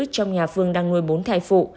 trong nhà phương đang nuôi bốn thai phụ